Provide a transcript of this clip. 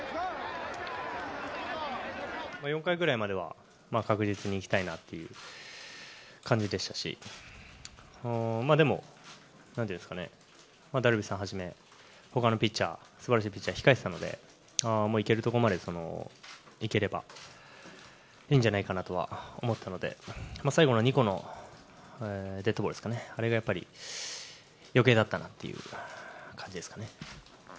４回目くらいまでは確実にいきたいなって感じでしたしでも何ていうんですかねダルビッシュさん始め他のピッチャーは素晴らしいピッチャーが控えていたのでいけるところまでいければいいんじゃないかなとは思ったので最後の２個のデッドボールあれが余計だったなっていう感じですかね。